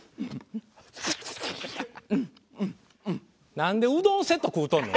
なんでうどんセットを食うとんねん！